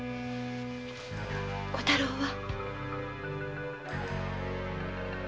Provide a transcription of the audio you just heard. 小太郎は？